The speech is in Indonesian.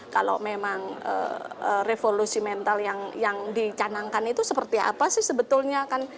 kalau memang revolusi mental yang dicanangkan itu seperti apa sih sebetulnya kan